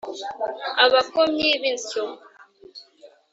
Abakomyi b'insyo.